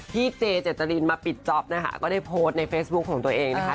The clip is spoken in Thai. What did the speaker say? เจเจตรินมาปิดจ๊อปนะคะก็ได้โพสต์ในเฟซบุ๊คของตัวเองนะคะ